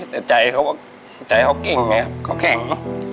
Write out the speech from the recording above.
แต่ใจเค้าเจ้าเก่งไงเค้าแข่ง